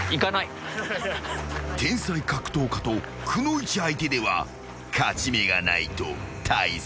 ［天才格闘家とくのいち相手では勝ち目がないと退散］